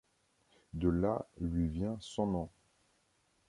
De là lui vient son nom.